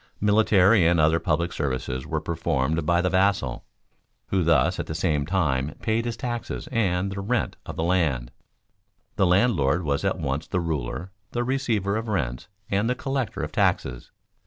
Military and other public services were performed by the vassal, who thus at the same time paid his taxes and the rent of the land. The landlord was at once the ruler, the receiver of rents, and the collector of taxes.